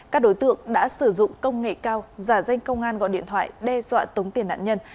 các đối tượng đã sử dụng công nghệ cao giả danh công an gọi điện thoại đe dọa tống tiền nạn nhân